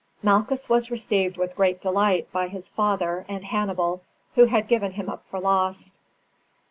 Malchus was received with great delight by his father and Hannibal, who had given him up for lost.